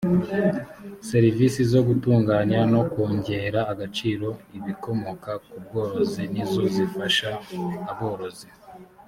serivisi zo gutunganya no kongerera agaciro ibikomoka ku bworozi nizo zifasha aborozi